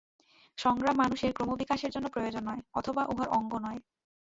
সংগ্রাম মানুষের ক্রমবিকাশের জন্য প্রয়োজন নয়, অথবা উহার অঙ্গ নয়।